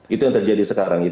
itu yang terjadi sekarang